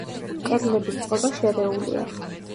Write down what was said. კედლების წყობა შერეულია.